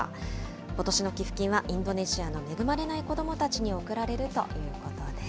ことしの寄付金はインドネシアの恵まれない子どもたちに贈られるということです。